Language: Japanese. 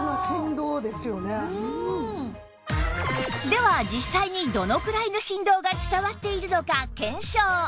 では実際にどのくらいの振動が伝わっているのか検証